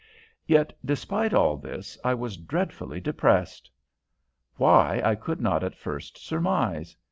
Yet, despite all this, I was dreadfully depressed. Why, I could not at first surmise.